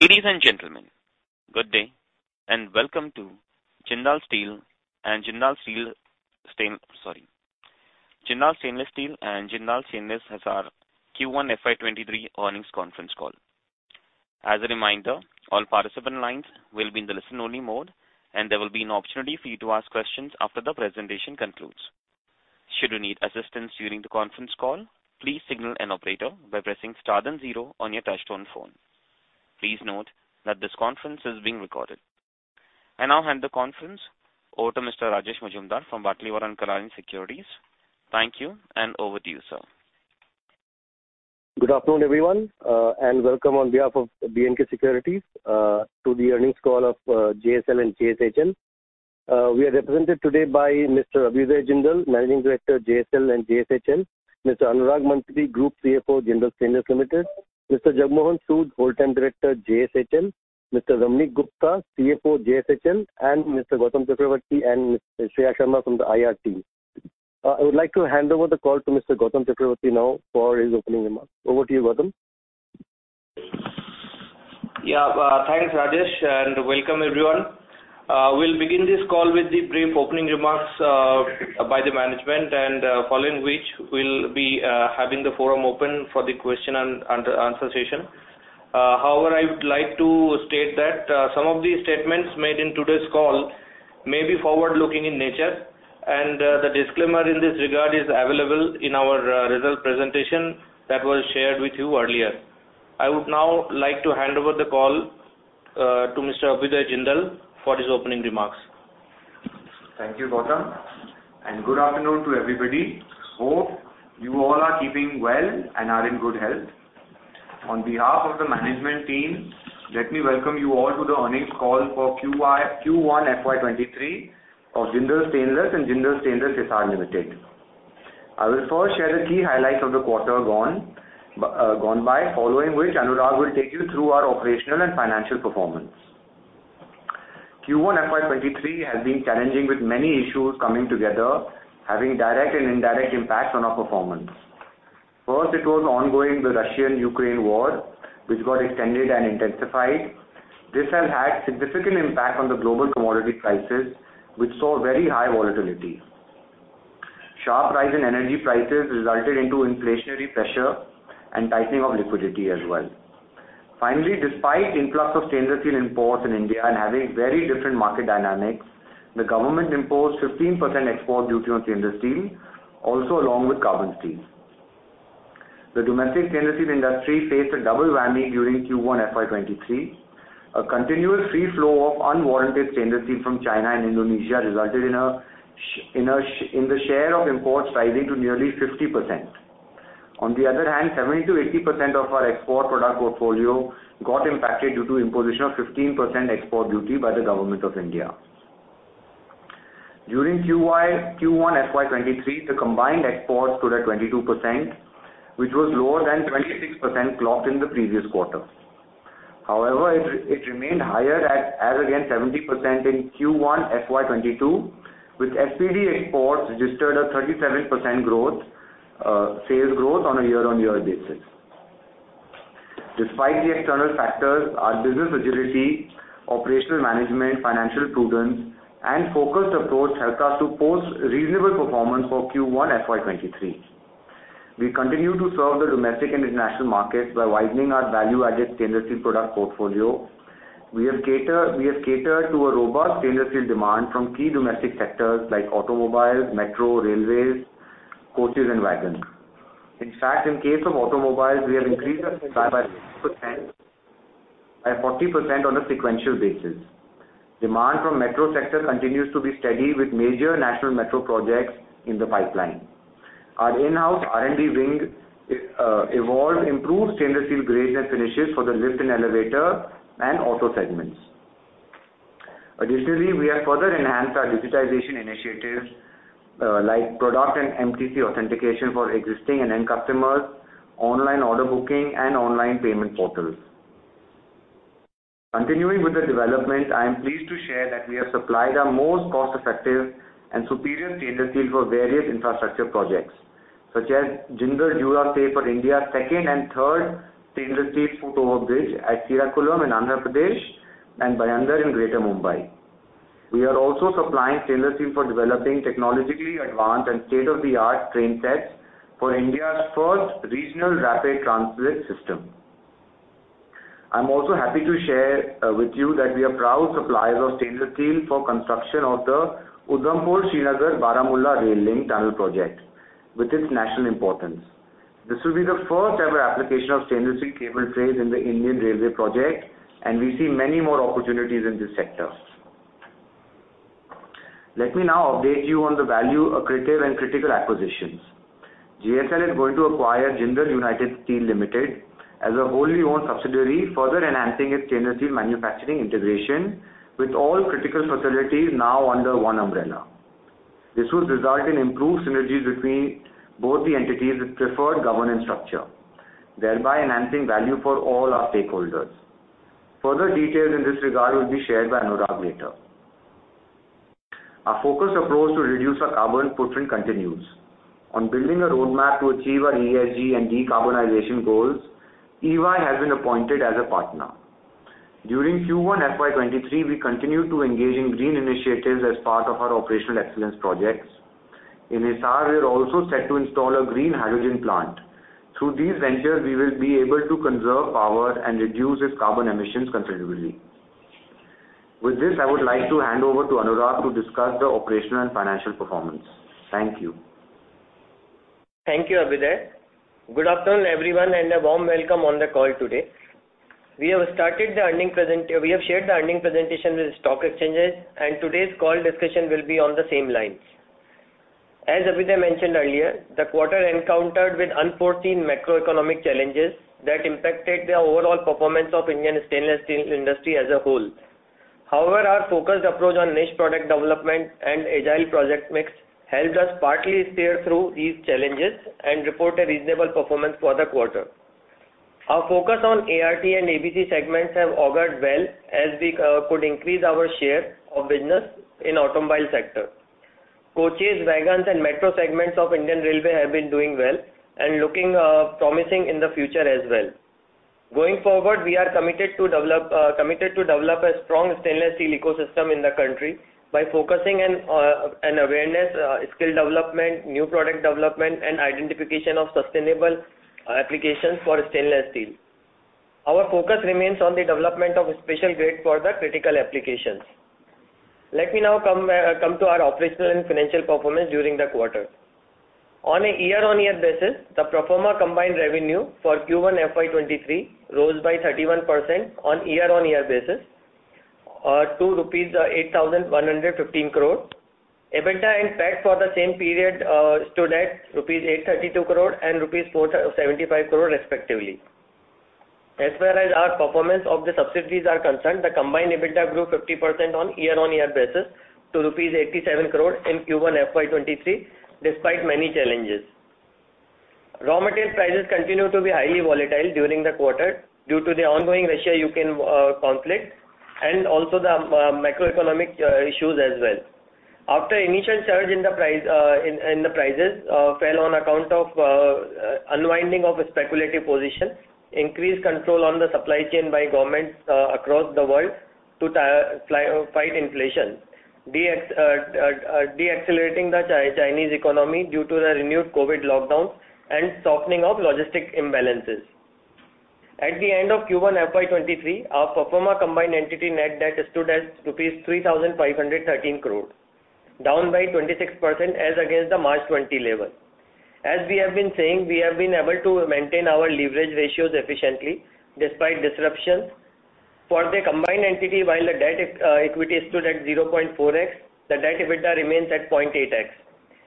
Ladies and gentlemen, good day and welcome to Jindal Stainless and Jindal Stainless Hisar Q1 FY23 Earnings Conference Call. As a reminder, all participant lines will be in the listen-only mode, and there will be an opportunity for you to ask questions after the presentation concludes. Should you need assistance during the conference call, please signal an operator by pressing star then zero on your touchtone phone. Please note that this conference is being recorded. I now hand the conference over to Mr. Rajesh Majumdar from Batlivala & Karani Securities. Thank you and over to you, sir. Good afternoon, everyone, and welcome on behalf of B&K Securities to the earnings call of JSL and JSHL. We are represented today by Mr. Abhyuday Jindal, Managing Director, JSL and JSHL. Mr. Anurag Mantri, Group CFO, Jindal Stainless Limited. Mr. Jagmohan Sood, Full-time Director, JSHL. Mr. Ramnik Gupta, CFO, JSHL, and Mr. Goutam Chakraborty and Mr. Shreya Sharma from the IR team. I would like to hand over the call to Mr. Goutam Chakraborty now for his opening remarks. Over to you, Goutam. Thanks, Rajesh, and welcome everyone. We'll begin this call with the brief opening remarks by the management and, following which we'll be having the floor open for the question and answer session. However, I would like to state that some of these statements made in today's call may be forward-looking in nature and the disclaimer in this regard is available in our results presentation that was shared with you earlier. I would now like to hand over the call to Mr. Abhyuday Jindal for his opening remarks. Thank you, Gautam, and good afternoon to everybody. Hope you all are keeping well and are in good health. On behalf of the management team, let me welcome you all to the earnings call for Q1 FY 2023 of Jindal Stainless and Jindal Stainless (Hisar) Limited. I will first share the key highlights of the quarter gone by, following which Anurag will take you through our operational and financial performance. Q1 FY 2023 has been challenging with many issues coming together, having direct and indirect impacts on our performance. First, it was ongoing, the Russia-Ukraine war, which got extended and intensified. This has had significant impact on the global commodity prices, which saw very high volatility. Sharp rise in energy prices resulted into inflationary pressure and tightening of liquidity as well. Finally, despite influx of stainless steel imports in India and having very different market dynamics, the government imposed 15% export duty on stainless steel, also along with carbon steel. The domestic stainless steel industry faced a double whammy during Q1 FY 2023. A continuous free flow of unwarranted stainless steel from China and Indonesia resulted in the share of imports rising to nearly 50%. On the other hand, 70%-80% of our export product portfolio got impacted due to imposition of 15% export duty by the Government of India. During Q1 FY 2023, the combined exports stood at 22%, which was lower than 26% clocked in the previous quarter. However, it remained higher at, as against 70% in Q1 FY 2022, with SPD exports registered a 37% growth, sales growth on a year-on-year basis. Despite the external factors, our business agility, operational management, financial prudence and focused approach helped us to post reasonable performance for Q1 FY 2023. We continue to serve the domestic and international markets by widening our value-added stainless steel product portfolio. We have catered to a robust stainless steel demand from key domestic sectors like automobiles, metro, railways, coaches, and wagons. In fact, in case of automobiles, we have increased our by 40% on a sequential basis. Demand from metro sector continues to be steady with major national metro projects in the pipeline. Our in-house R&D wing evolved improved stainless steel grades and finishes for the lift and elevator and auto segments. Additionally, we have further enhanced our digitization initiatives, like product and MTC authentication for existing and end customers, online order booking and online payment portals. Continuing with the developments, I am pleased to share that we have supplied our most cost-effective and superior stainless steel for various infrastructure projects, such as Jindal Durasafe for India's second and third stainless steel foot overbridge at Srikakulam in Andhra Pradesh and Bandra in Greater Mumbai. We are also supplying stainless steel for developing technologically advanced and state-of-the-art train sets for India's first regional rapid transit system. I'm also happy to share with you that we are proud suppliers of stainless steel for construction of the Udhampur-Srinagar-Baramulla Rail Link tunnel project of national importance. This will be the first ever application of stainless steel cable trays in the Indian railway project, and we see many more opportunities in this sector. Let me now update you on the value accretive and critical acquisitions. JSL is going to acquire Jindal United Steel Limited as a wholly owned subsidiary, further enhancing its stainless steel manufacturing integration with all critical facilities now under one umbrella. This would result in improved synergies between both the entities with preferred governance structure, thereby enhancing value for all our stakeholders. Further details in this regard will be shared by Anurag later. Our focused approach to reduce our carbon footprint continues. On building a roadmap to achieve our ESG and decarbonization goals, EY has been appointed as a partner. During Q1 FY 2023, we continued to engage in green initiatives as part of our operational excellence projects. In Hisar, we are also set to install a green hydrogen plant. Through these ventures, we will be able to conserve power and reduce its carbon emissions considerably. With this, I would like to hand over to Anurag to discuss the operational and financial performance. Thank you. Thank you, Abhyuday. Good afternoon, everyone, and a warm welcome on the call today. We have shared the earnings presentation with stock exchanges, and today's call discussion will be on the same lines. As Abhyuday mentioned earlier, the quarter encountered with unforeseen macroeconomic challenges that impacted the overall performance of Indian stainless steel industry as a whole. However, our focused approach on niche product development and agile project mix helped us partly steer through these challenges and report a reasonable performance for the quarter. Our focus on ART and ABC segments have augured well as we could increase our share of business in automobile sector. Coaches, wagons, and metro segments of Indian Railways have been doing well and looking promising in the future as well. Going forward, we are committed to develop a strong stainless steel ecosystem in the country by focusing on awareness, skill development, new product development, and identification of sustainable applications for stainless steel. Our focus remains on the development of a special grade for the critical applications. Let me now come to our operational and financial performance during the quarter. On a year-on-year basis, the pro forma combined revenue for Q1 FY 2023 rose by 31% on year-on-year basis to 8,115 crore. EBITDA and PAT for the same period stood at rupees 832 crore and rupees 475 crore respectively. As far as our performance of the subsidiaries are concerned, the combined EBITDA grew 50% on year-on-year basis to rupees 87 crore in Q1 FY 2023, despite many challenges. Raw material prices continued to be highly volatile during the quarter due to the ongoing Russia-Ukraine conflict and also the macroeconomic issues as well. After initial surge in the prices fell on account of unwinding of a speculative position, increased control on the supply chain by governments across the world to fight inflation, decelerating the Chinese economy due to the renewed COVID lockdowns, and softening of logistic imbalances. At the end of Q1 FY 2023, our pro forma combined entity net debt stood at INR 3,513 crore, down by 26% as against the March 2020 level. We have been able to maintain our leverage ratios efficiently despite disruptions. For the combined entity, while the debt equity stood at 0.4x, the debt EBITDA remains at 0.8x.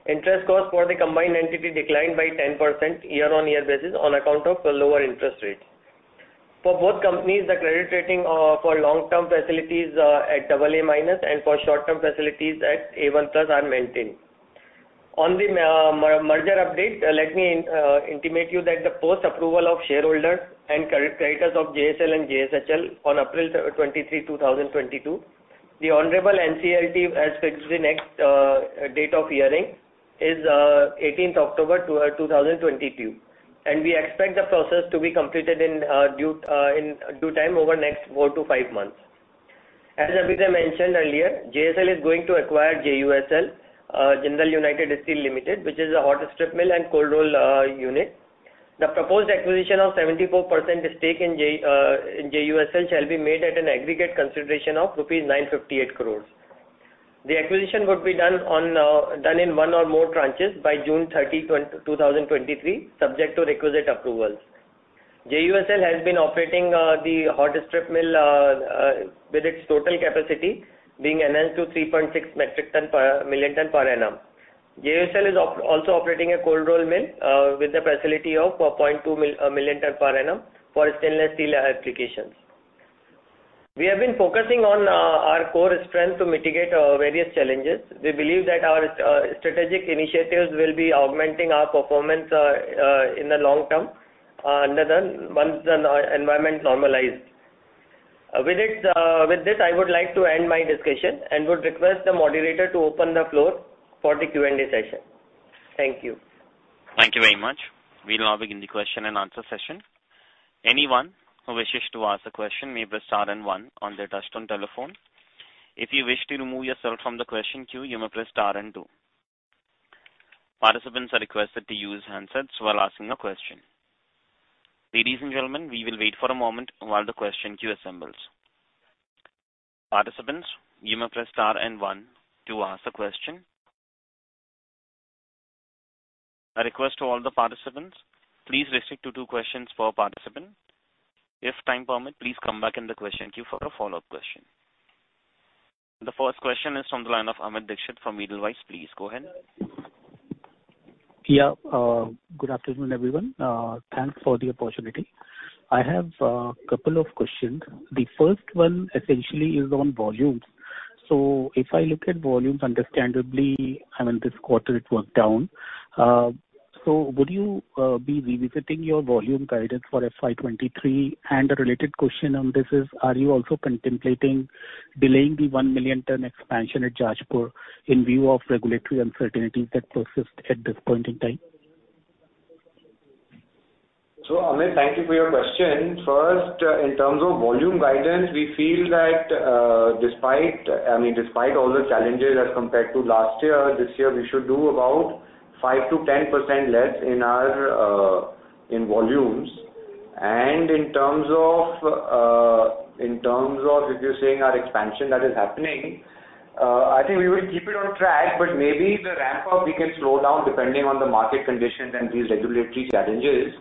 Interest costs for the combined entity declined by 10% year-on-year basis on account of the lower interest rates. For both companies, the credit rating for long-term facilities at AA- and for short-term facilities at A1+ are maintained. On the merger update, let me intimate you that the post-approval of shareholders and creditors of JSL and JSHL on April 23, 2022, the honorable NCLT has fixed the next date of hearing is 18th October 2022, and we expect the process to be completed in due time over next four to five months. As Abhyuday mentioned earlier, JSL is going to acquire JUSL, Jindal United Steel Limited, which is a hot strip mill and cold roll unit. The proposed acquisition of 74% stake in JUSL shall be made at an aggregate consideration of rupees 958 crore. The acquisition would be done in one or more tranches by June 30, 2023, subject to requisite approvals. JUSL has been operating the hot strip mill with its total capacity being enhanced to 3.6 million metric tons per annum. JUSL is also operating a cold roll mill with a facility of 4.2 million tons per annum for stainless steel applications. We have been focusing on our core strength to mitigate various challenges. We believe that our strategic initiatives will be augmenting our performance in the long term, and then once the environment normalized. With it, with this, I would like to end my discussion and would request the moderator to open the floor for the Q&A session. Thank you. Thank you very much. We'll now begin the question and answer session. Anyone who wishes to ask a question may press star and one on their touchtone telephone. If you wish to remove yourself from the question queue, you may press star and two. Participants are requested to use handsets while asking a question. Ladies and gentlemen, we will wait for a moment while the question queue assembles. Participants, you may press star and one to ask a question. A request to all the participants, please restrict to two questions per participant. If time permit, please come back in the question queue for a follow-up question. The first question is from the line of Amit Dixit from Edelweiss. Please go ahead. Yeah, good afternoon, everyone. Thanks for the opportunity. I have couple of questions. The first one essentially is on volumes. If I look at volumes, understandably, I mean, this quarter it was down. Would you be revisiting your volume guidance for FY 2023? A related question on this is, are you also contemplating delaying the 1 million ton expansion at Jharsuguda in view of regulatory uncertainties that persist at this point in time? Amit, thank you for your question. First, in terms of volume guidance, we feel that, despite, I mean, despite all the challenges as compared to last year, this year we should do about 5%-10% less in our volumes. In terms of if you're saying our expansion that is happening, I think we will keep it on track, but maybe the ramp up we can slow down depending on the market conditions and these regulatory challenges.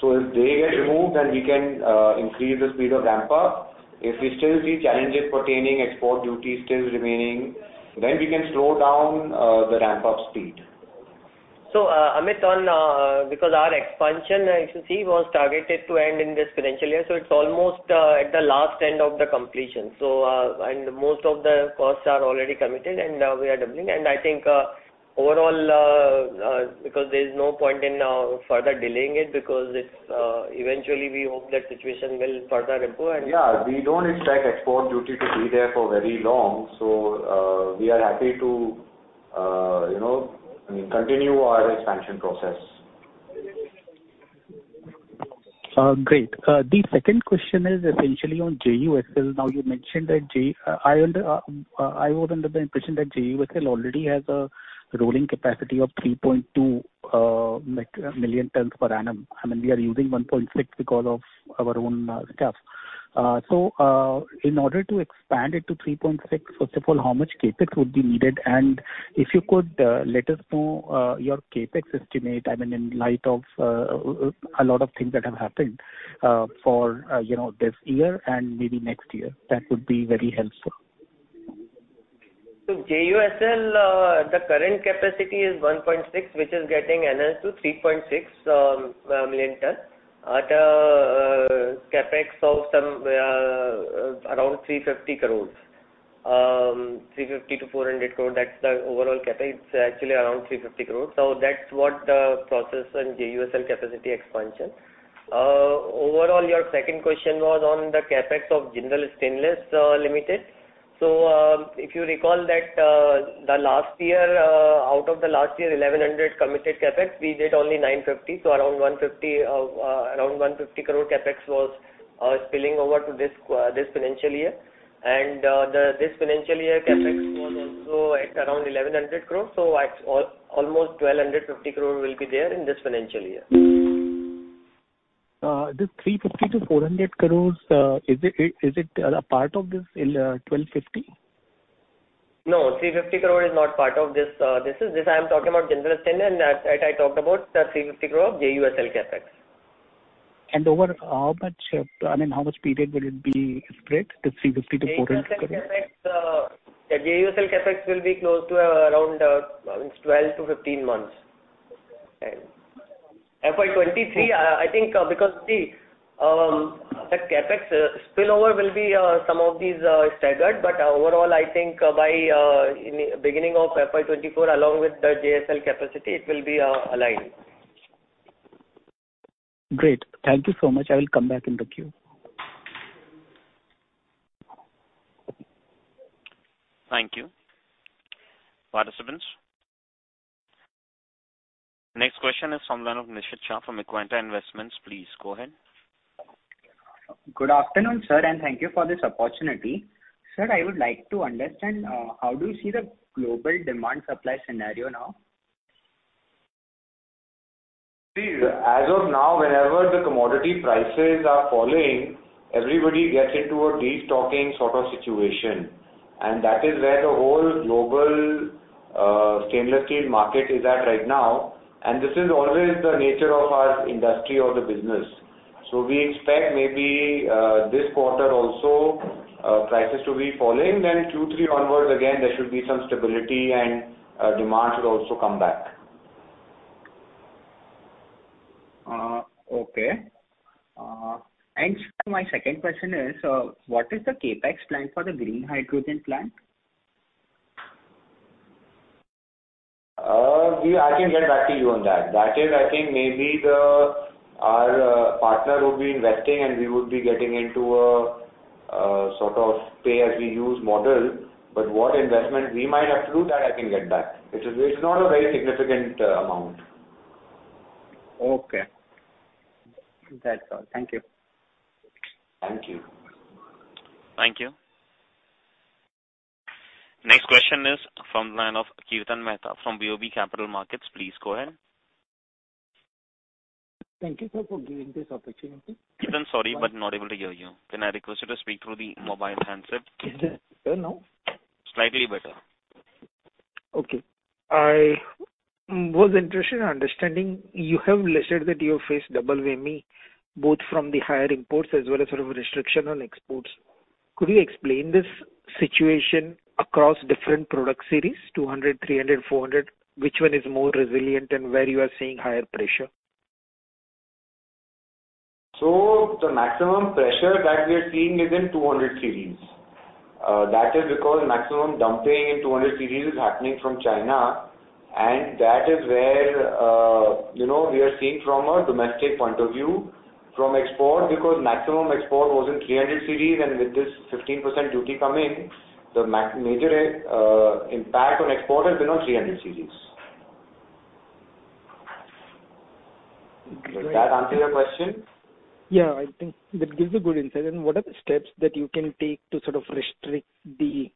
If they get removed, then we can increase the speed of ramp up. If we still see challenges pertaining export duty still remaining, then we can slow down the ramp up speed. Amit, because our expansion, as you see, was targeted to end in this financial year, it's almost at the tail end of the completion. Most of the costs are already committed, and now we are doubling. I think overall, because there is no point in further delaying it, because eventually we hope that situation will further improve. Yeah, we don't expect export duty to be there for very long. We are happy to, you know, I mean, continue our expansion process. Great. The second question is essentially on JUSL. Now, you mentioned that I was under the impression that JUSL already has a rolling capacity of 3.2 million tons per annum. I mean, we are using 1.6 million tons because of our own stuff. In order to expand it to 3.6 million tons, first of all, how much CapEx would be needed? If you could let us know your CapEx estimate, I mean, in light of a lot of things that have happened for you know, this year and maybe next year, that would be very helpful. JUSL, the current capacity is 1.6 million tons, which is getting enhanced to 3.6 million tons at a CapEx of some around 350 crores. 350 crore-400 crores, that's the overall CapEx. It's actually around 350 crores. That's the process on JUSL capacity expansion. Overall, your second question was on the CapEx of Jindal Stainless Limited. If you recall that, last year out of the 1,100 crores committed CapEx, we did only 950 crores. Around 150 crores CapEx was spilling over to this financial year. This financial year CapEx was also at around 1,100 crores. At almost 1,250 crores will be there in this financial year. This 350 crore-INR400 crore, is it a part of this in 1,250? No, 350 crore is not part of this. This I am talking about Jindal Stainless, and that I talked about the 350 crore of JUSL CapEx. Over how much, I mean, how much period will it be spread, this 350 crore-400 crore? JUSL CapEx, the JUSL CapEx will be close to around 12-15 months. FY 2023, I think because the CapEx spillover will be some of these staggered. Overall, I think by the beginning of FY 2024 along with the JSL capacity, it will be aligned. Great. Thank you so much. I will come back in the queue. Thank you our participants. Next question is from the line of Nishith Shah from Aequitas Investments. Please go ahead. Good afternoon, sir, and thank you for this opportunity. Sir, I would like to understand, how do you see the global demand supply scenario now? See, as of now, whenever the commodity prices are falling, everybody gets into a destocking sort of situation. That is where the whole global stainless steel market is at right now. This is always the nature of our industry or the business. We expect maybe this quarter also prices to be falling. Q3 onwards, again, there should be some stability and demand should also come back. Okay. My second question is, what is the CapEx plan for the green hydrogen plant? I can get back to you on that. That is, I think maybe our partner would be investing and we would be getting into a sort of pay-as-you-use model. What investment we might have to do that, I can get back. It's not a very significant amount. Okay. That's all. Thank you. Thank you. Thank you. Next question is from the line of Kirtan Mehta from BOB Capital Markets. Please go ahead. Thank you, sir, for giving this opportunity. Kirtan, sorry, but not able to hear you. Can I request you to speak through the mobile handset? Is it better now? Slightly better. Okay. I was interested in understanding, you have listed that you face double whammy, both from the higher imports as well as sort of restriction on exports. Could you explain this situation across different product series, 200, 300, 400? Which one is more resilient and where you are seeing higher pressure? The maximum pressure that we are seeing is in 200 series. That is because maximum dumping in 200 series is happening from China, and that is where, you know, we are seeing from a domestic point of view from export because maximum export was in 300 series and with this 15% duty coming, the major impact on export has been on 300 series. Great. Does that answer your question? Yeah, I think that gives a good insight. What are the steps that you can take to sort of restrict the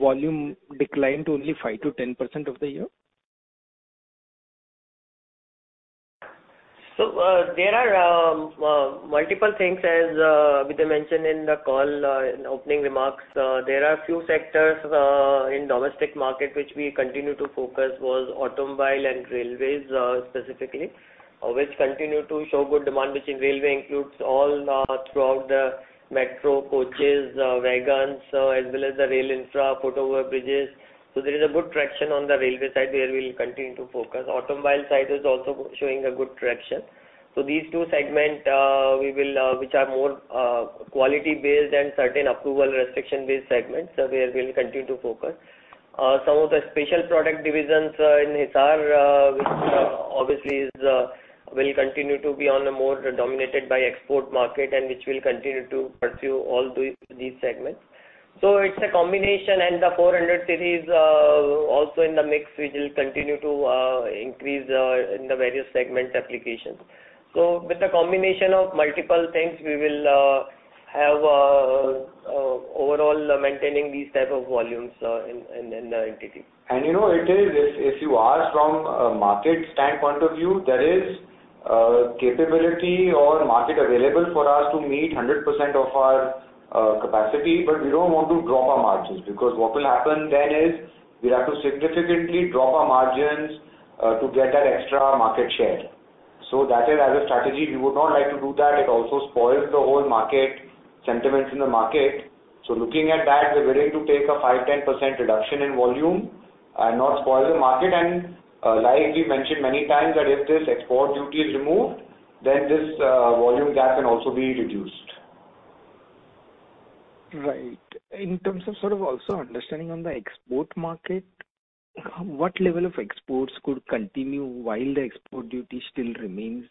volume decline to only 5%-10% of the year? There are multiple things as Abhyuday mentioned in the call, in opening remarks. There are few sectors in domestic market which we continue to focus was automobile and railways, specifically, which continue to show good demand, which in railway includes all throughout the metro coaches, wagons, as well as the rail infra, foot over bridges. There is a good traction on the railway side where we'll continue to focus. Automobile side is also showing a good traction. These two segment, which are more quality-based and certain approval restriction-based segments, so there we'll continue to focus. Some of the special product divisions in Hisar, which obviously will continue to be more dominated by export market and which will continue to pursue all these segments. It's a combination and the 400 series also in the mix, which will continue to increase in the various segment applications. With the combination of multiple things, we will overall maintain these type of volumes in the entity. You know, it is, if you ask from a market standpoint of view, there is capability or market available for us to meet 100% of our capacity, but we don't want to drop our margins, because what will happen then is we have to significantly drop our margins to get that extra market share. That is, as a strategy, we would not like to do that. It also spoils the whole market sentiments in the market. Looking at that, we're willing to take a 5%-10% reduction in volume and not spoil the market. Like we mentioned many times, if this export duty is removed, then this volume gap can also be reduced. Right. In terms of sort of also understanding on the export market, what level of exports could continue while the export duty still remains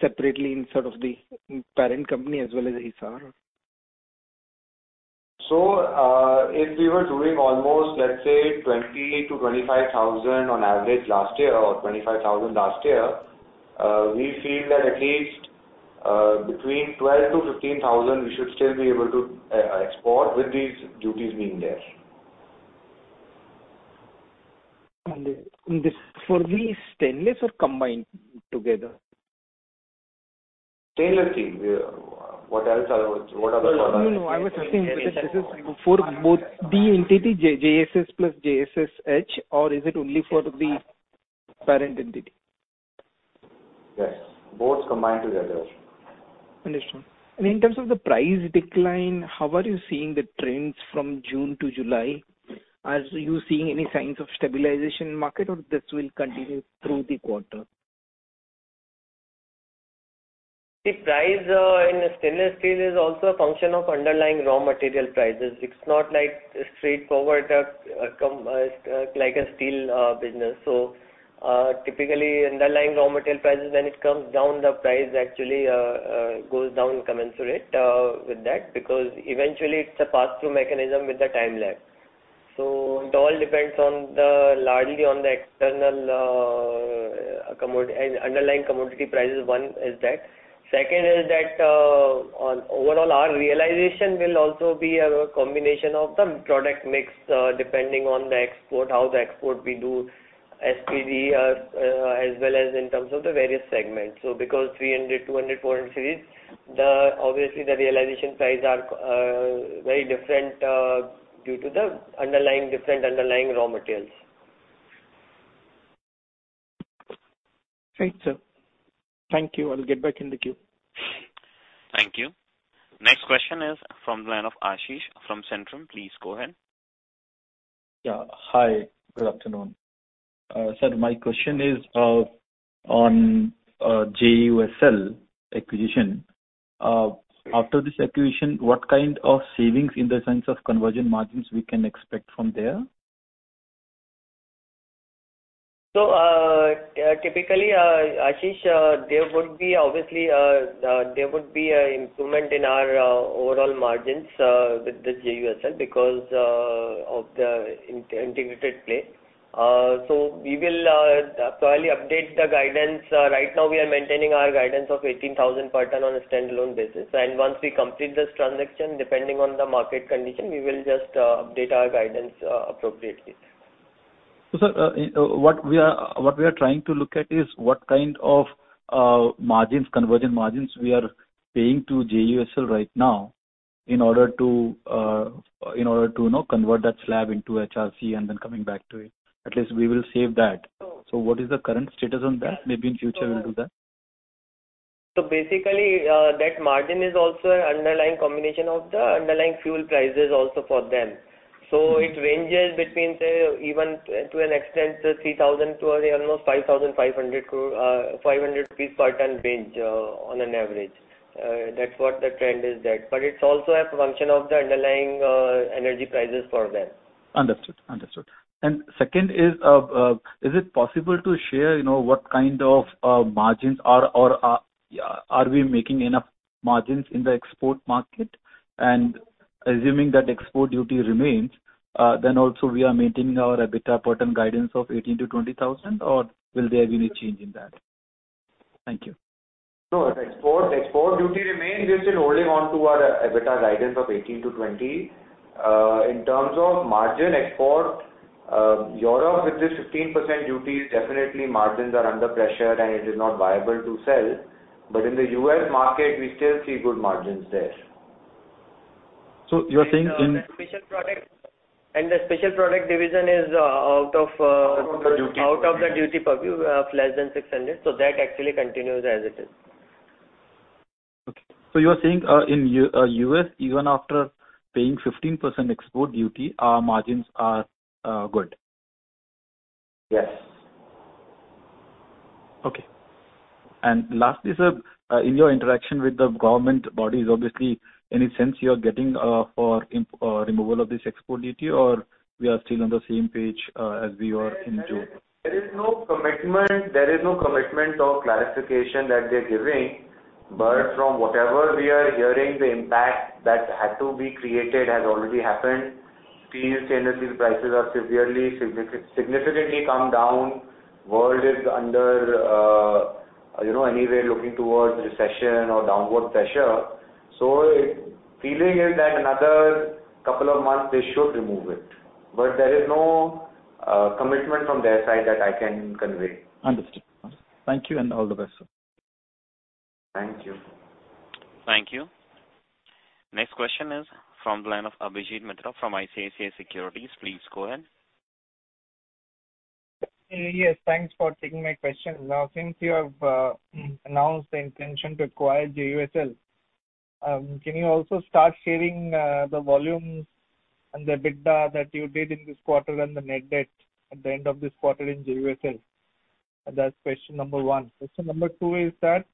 separately in sort of the parent company as well as Hisar? If we were doing almost, let's say, 20,000-25,000 on average last year or 25,000 last year, we feel that at least, between 12,000-15,000 we should still be able to export with these duties being there. This for the stainless or combined together? Stainless steel. What other products? No, no, I was just saying this is for both the entity JSL plus JSHL or is it only for the parent entity? Yes. Both combined together. Understood. In terms of the price decline, how are you seeing the trends from June to July? Are you seeing any signs of stabilization in market or this will continue through the quarter? The price in the stainless steel is also a function of underlying raw material prices. It's not like straightforward like a steel business. Typically underlying raw material prices when it comes down, the price actually goes down commensurate with that because eventually it's a pass-through mechanism with the time lag. It all depends largely on the external commodity and underlying commodity prices. One is that. Second is that on overall our realization will also be a combination of the product mix depending on the export, how the export we do SPD as well as in terms of the various segments. Because 300, 200, 400 series, obviously the realization price are very different due to the different underlying raw materials. Right, sir. Thank you. I'll get back in the queue. Thank you. Next question is from the line of Ashish from Centrum. Please go ahead. Yeah. Hi. Good afternoon. Sir, my question is on JUSL acquisition. After this acquisition, what kind of savings in the sense of conversion margins we can expect from there? Typically, Ashish, there would be obviously a improvement in our overall margins with the JUSL because of the integrated play. We will thoroughly update the guidance. Right now we are maintaining our guidance of 18,000 per ton on a standalone basis. Once we complete this transaction, depending on the market condition, we will just update our guidance appropriately. Sir, what we are trying to look at is what kind of margins, conversion margins we are paying to JUSL right now in order to you know, convert that slab into HRC and then coming back to it. At least we will save that. What is the current status on that? Maybe in future we'll do that. Basically, that margin is also an underlying combination of the underlying fuel prices also for them. It ranges between, say, even to an extent, 3,000 to, I don't know, 5,500 per ton range, on an average. That's what the trend is that. It's also a function of the underlying energy prices for them. Understood. Second is it possible to share, you know, what kind of margins, or are we making enough margins in the export market? Assuming that export duty remains, then also we are maintaining our EBITDA per ton guidance of 18,000-20,000 or will there be any change in that? Thank you. If export duty remains, we're still holding on to our EBITDA guidance of 18%-20%. In terms of margin export Europe with this 15% duty, definitely margins are under pressure, and it is not viable to sell. In the U.S. market, we still see good margins there. You're saying in- The Specialty Products Division is out of Out of the duty purview. Out of the duty purview of less than 600. That actually continues as it is. Okay. You're saying, in the U.S., even after paying 15% export duty, margins are good? Yes. Okay. Last is, in your interaction with the government bodies, obviously, any sense you are getting, for removal of this export duty or we are still on the same page, as we were in June? There is no commitment. There is no commitment or clarification that they're giving. From whatever we are hearing, the impact that had to be created has already happened. Steel, stainless steel prices have severely, significantly come down. World is under, you know, anyway looking towards recession or downward pressure. Feeling is that another couple of months they should remove it. There is no commitment from their side that I can convey. Understood. Thank you, and all the best, sir. Thank you. Thank you. Next question is from the line of Abhijit Desai from ICICI Securities. Please go ahead. Yes, thanks for taking my question. Now, since you have announced the intention to acquire JUSL, can you also start sharing the volumes and the EBITDA that you did in this quarter and the net debt at the end of this quarter in JUSL? That's question number one. Question number two is that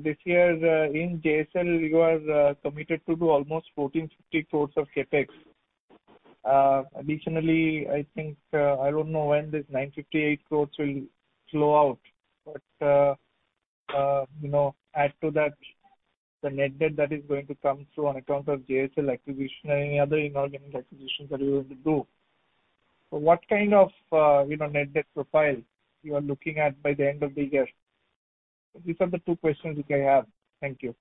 this year, in JSL, you have committed to do almost 1,450 crores of CapEx. Additionally, I think, I don't know when this 958 crores will flow out, but, you know, add to that the net debt that is going to come through on account of JSL acquisition or any other inorganic acquisitions that you're going to do. What kind of, you know, net debt profile you are looking at by the end of the year? These are the two questions which I have. Thank you.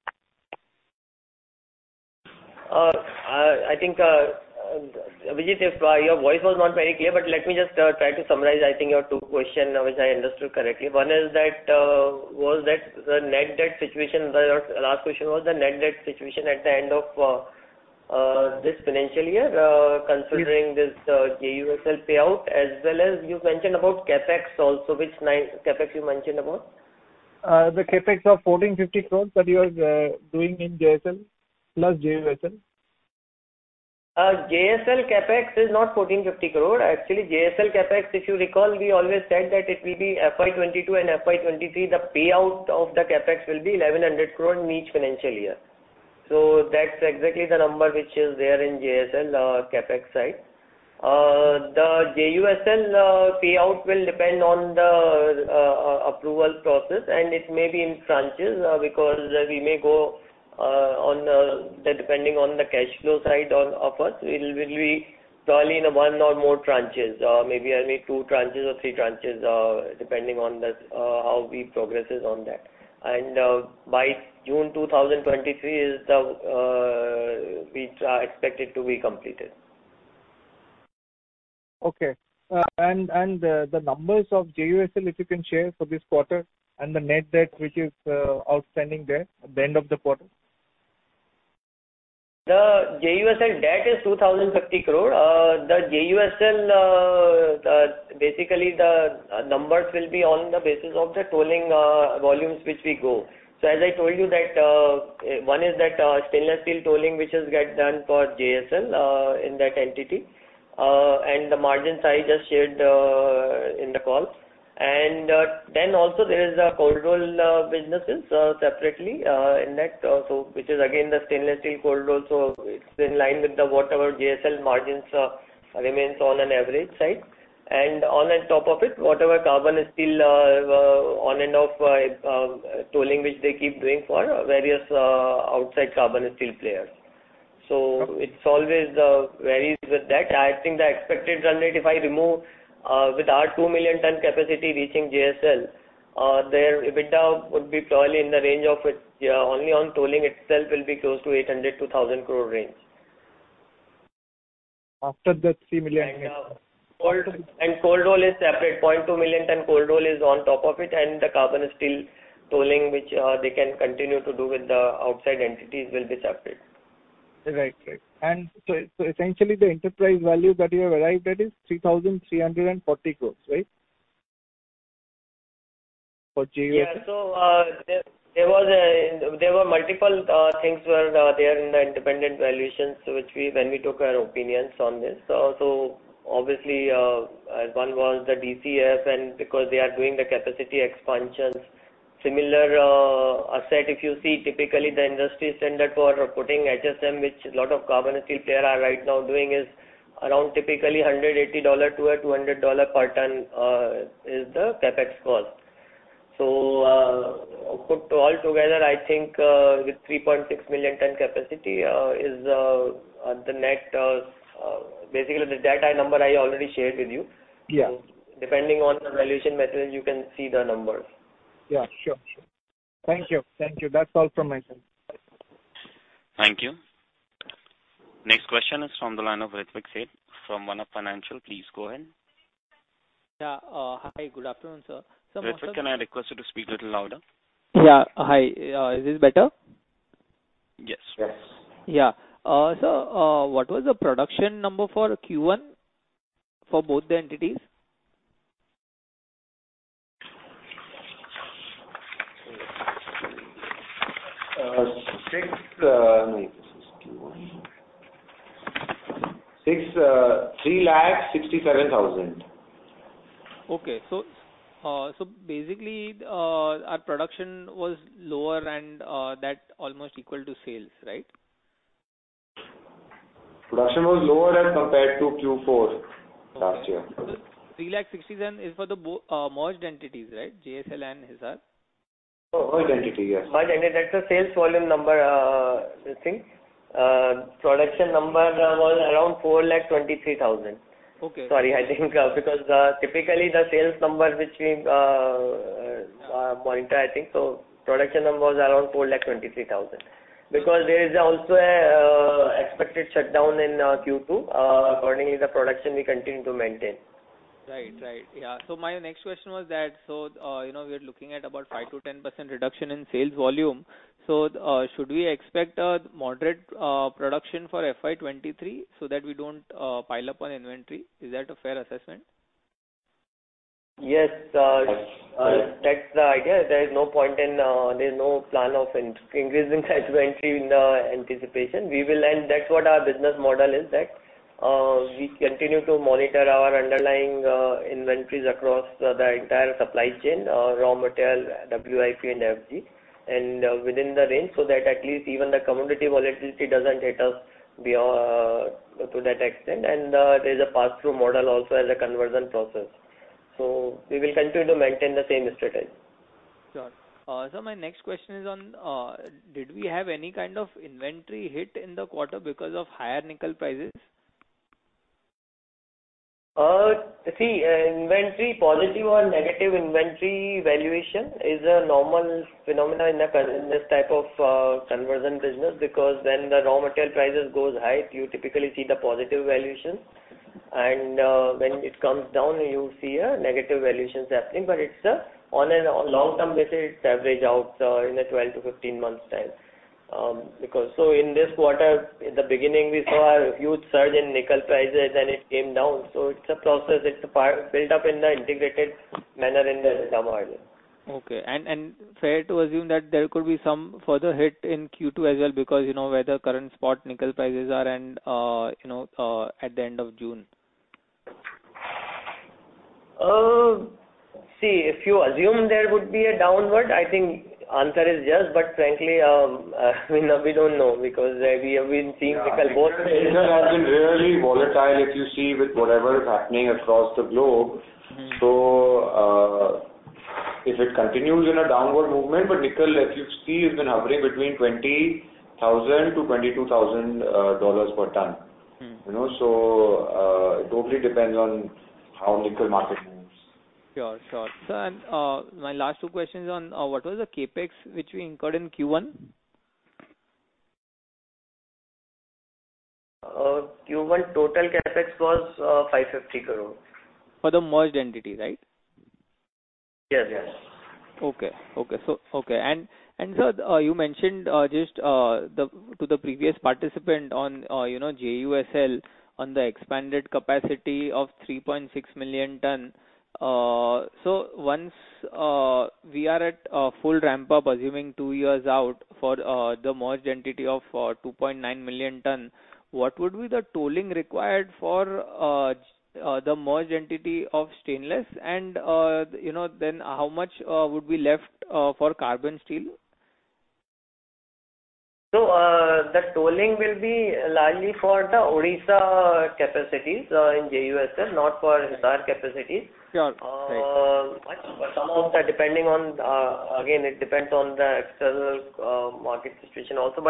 I think, Abhijit, your voice was not very clear, but let me just try to summarize, I think, your two question which I understood correctly. One is what is the net debt situation. The last question was the net debt situation at the end of this financial year, considering this JUSL payout, as well as you mentioned about CapEx also, which in CapEx you mentioned about. The CapEx of 1,450 crores that you are doing in JSL plus JUSL. JSL CapEx is not 1,450 crore. Actually, JSL CapEx, if you recall, we always said that it will be FY 2022 and FY 2023, the payout of the CapEx will be 1,100 crore in each financial year. That's exactly the number which is there in JSL CapEx side. The JUSL payout will depend on the approval process, and it may be in tranches, because we may go on depending on the cash flow side of us. It will be probably in one or more tranches. Maybe only two tranches or three tranches, depending on how we progresses on that. By June 2023 is the which are expected to be completed. Okay, the numbers of JUSL, if you can share for this quarter and the net debt which is outstanding there at the end of the quarter. The JUSL debt is 2,050 crore. The JUSL, basically the numbers will be on the basis of the tolling volumes which we go. As I told you that, one is that, stainless steel tolling, which is get done for JSL, in that entity. The margin side I just shared, in the call. Then also there is a cold roll businesses, separately, in that also, which is again the stainless steel cold roll. It's in line with the whatever JSL margins remains on an average side. On top of it, whatever carbon steel, on and off, tolling which they keep doing for various, outside carbon steel players. It's always varies with that. I think the expected run rate if I remove, with our 2,000,000 ton capacity reaching JSL, their EBITDA would be probably in the range of it, only on tolling itself will be close to 800 crore-1,000 crore range. After the 3 million Cold roll is separate. 0.2 million-ton cold roll is on top of it, and the carbon steel tolling which they can continue to do with the outside entities will be separate. Right. Essentially the enterprise value that you have arrived at is 3,340 crore, right? There were multiple things in the independent valuations which we took our opinions on this. Obviously, one was the DCF and because they are doing the capacity expansions. Similar assets if you see typically the industry standard for putting HSM which a lot of carbon steel players are right now doing is around $180-$200 per ton is the CapEx cost. Put all together, I think, with 3.6 million ton capacity is the net debt number I already shared with you. Yeah. Depending on the valuation method, you can see the numbers. Yeah, sure. Thank you. That's all from my side. Thank you. Next question is from the line of Ritwik Sheth from One Up Financial. Please go ahead. Yeah. Hi. Good afternoon, sir. Ritwik, can I request you to speak little louder? Yeah. Hi. Is this better? Yes. Yes. Yeah. What was the production number for Q1 for both the entities? Uh, six, uh... Six, uh, 3 lakh 67,000. Okay. Basically, our production was lower and that almost equal to sales, right? Production was lower as compared to Q4 last year. Okay. 3.67 lakh is for the merged entities, right? JSL and Hisar. Merged entity, yes. Merged entity. That's the sales volume number, I think. Production number was around 423,000. Okay. Sorry, I think, because typically the sales number which we monitor, I think. Production number was around 423,000. Because there is also an expected shutdown in Q2. Accordingly the production we continue to maintain. Right. Right. Yeah. My next question was that, you know, we are looking at about 5%-10% reduction in sales volume. Should we expect a moderate production for FY 2023 so that we don't pile up on inventory? Is that a fair assessment? Yes. That's the idea. There is no point in, there's no plan of increasing inventory in the anticipation. That's what our business model is that we continue to monitor our underlying inventories across the entire supply chain, raw material, WIP and FG, and within the range, so that at least even the commodity volatility doesn't hit us beyond to that extent. There's a pass-through model also as a conversion process. We will continue to maintain the same strategy. Sure. My next question is on, did we have any kind of inventory hit in the quarter because of higher nickel prices? Inventory, positive or negative inventory valuation is a normal phenomenon in this type of conversion business because when the raw material prices go high, you typically see the positive valuation. When it comes down, you see a negative valuation happening. It's on a long-term basis, it averages out in a 12-15 months time, because. In this quarter, in the beginning we saw a huge surge in nickel prices and it came down. It's a process, it's a part built up in the integrated manner in the JSL model. Okay. Fair to assume that there could be some further hit in Q2 as well because, you know, where the current spot nickel prices are and, you know, at the end of June. See, if you assume there would be a downward, I think answer is yes. Frankly, we don't know because we have been seeing nickel both- Yeah. Nickel has been really volatile if you see with whatever is happening across the globe. If it continues in a downward movement, but nickel if you see has been hovering between $20,000-$22,000 per ton. Mm-hmm. You know, it totally depends on how nickel market moves. Sure. Sure. My last two questions on what was the CapEx which we incurred in Q1? Q1 total CapEx was 550 crore. For the merged entity, right? Yes. Yes. Sir, you mentioned just to the previous participant, you know, JUSL on the expanded capacity of 3.6 million tons. Once we are at full ramp up assuming two years out for the merged entity of 2.9 million tons, what would be the tolling required for the merged entity of stainless? You know, then how much would be left for carbon steel? The tolling will be largely for the Odisha capacities in JUSL, not for Hisar capacity. Sure. Right. Some of that depending on, again, it depends on the external market situation also.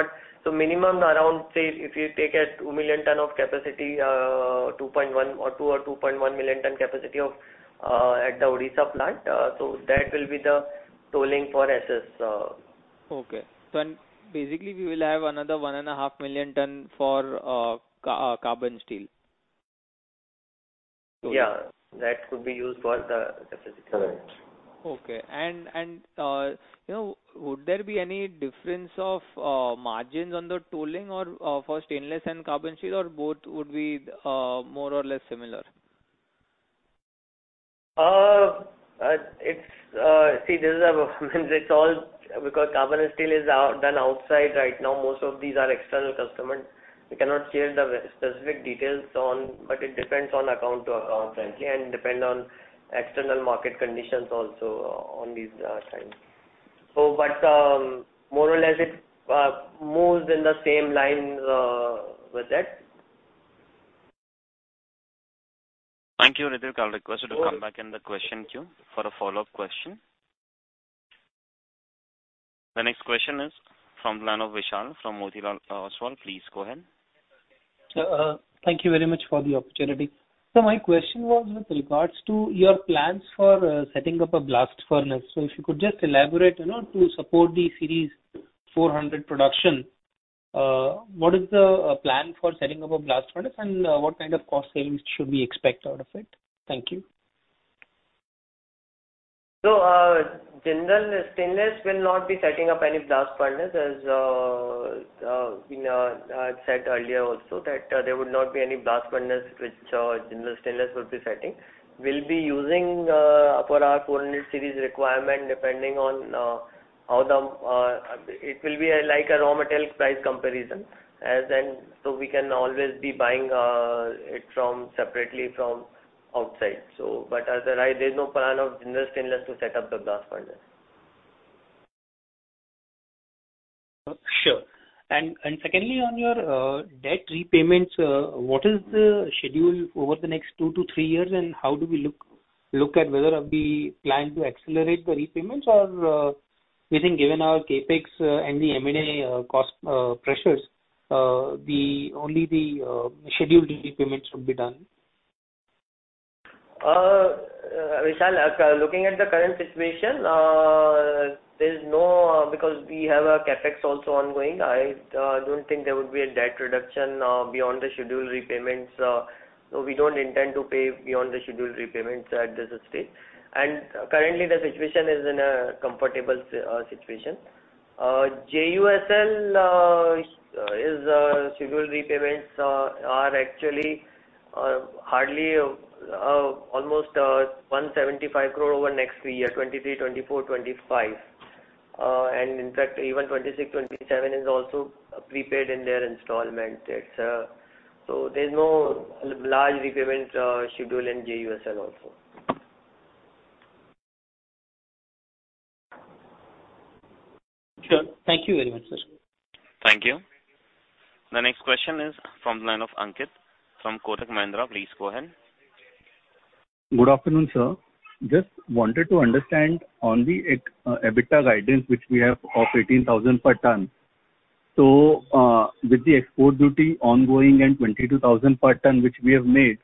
Minimum around, say if you take a 2 million ton of capacity, 2.1 or 2 or 2.1 million ton capacity of at the Odisha plant, so that will be the tolling for SS. Basically we will have another 1.5 million tons for carbon steel. Yeah. That could be used for the capacity. Correct. Okay. You know, would there be any difference of margins on the tolling or for stainless and carbon steel or both would be more or less similar? It's all because carbon steel is done outside right now, most of these are external customers. We cannot share the specific details on, but it depends on account to account, frankly, and depend on external market conditions also on these trends. More or less it moves in the same lines with that. Thank you, Ritwik. I'll request you to come back in the question queue for a follow-up question. The next question is from the line of Vishal from Motilal Oswal. Please go ahead. Sir, thank you very much for the opportunity. My question was with regards to your plans for setting up a blast furnace. If you could just elaborate, you know, to support the series 400 production, what is the plan for setting up a blast furnace and what kind of cost savings should we expect out of it? Thank you. Jindal Stainless will not be setting up any blast furnace as you know I said earlier also that there would not be any blast furnace which Jindal Stainless will be setting. We'll be using for our 400 series requirement depending on how it will be like a raw material price comparison and so we can always be buying it separately from outside. As I said, there's no plan of Jindal Stainless to set up the blast furnace. Sure. Secondly, on your debt repayments, what is the schedule over the next two to three years, and how do we look at whether we plan to accelerate the repayments or, given our CapEx and the M&A cost pressures, only the scheduled repayments would be done? Vishal, looking at the current situation, there's no, because we have a CapEx also ongoing. I don't think there would be a debt reduction beyond the scheduled repayments. So we don't intend to pay beyond the scheduled repayments at this stage. Currently the situation is in a comfortable situation. JUSL scheduled repayments are actually hardly almost 175 crore over next three years, 2023, 2024, 2025. And in fact even 2026, 2027 is also prepaid in their installment. So there's no large repayment schedule in JUSL also. Sure. Thank you very much, sir. Thank you. The next question is from the line of Ankit from Kotak Mahindra. Please go ahead. Good afternoon, sir. Just wanted to understand on the EBITDA guidance which we have of 18,000 per ton. With the export duty ongoing and 22,000 per ton which we have made,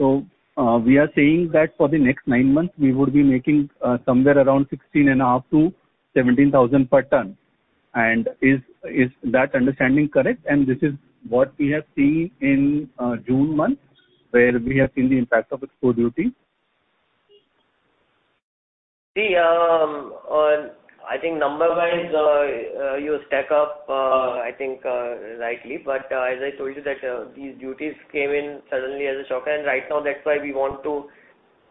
we are saying that for the next nine months we would be making somewhere around 16,500-17,000 per ton. Is that understanding correct? This is what we have seen in June month where we have seen the impact of export duty. See, I think number wise, you stack up, I think, rightly, but as I told you that, these duties came in suddenly as a shock and right now that's why we want to